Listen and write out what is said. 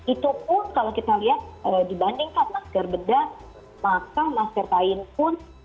itu pun kalau kita lihat dibandingkan masker bedah masker kain pun masih dibilang proteksi